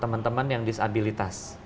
teman teman yang disabilitas